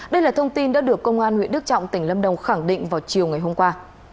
đây là thông tin đã được công an huyện đức trọng tỉnh lâm đồng khẳng định vào chiều ngày hôm qua